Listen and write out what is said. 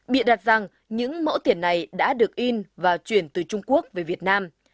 bịa đặt rằng những mẫu tiền này đã được in và chuyển từ trung quốc về việt nam